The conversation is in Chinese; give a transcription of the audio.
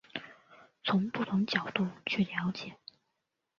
从不同角度去了解